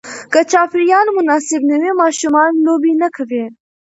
که چاپېریال مناسب نه وي، ماشومان لوبې نه کوي.